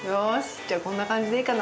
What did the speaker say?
じゃあ、こんな感じでいいかな。